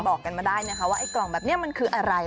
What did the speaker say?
บอกกันมาได้นะคะว่าไอกล่องแบบนี้มันคืออะไร